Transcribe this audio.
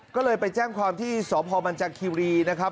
ก็เลยไปแจ้งความที่สพมันจากคิรีนะครับ